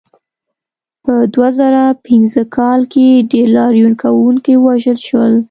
په دوه زره پنځه کال کې ډېر لاریون کوونکي ووژل شول.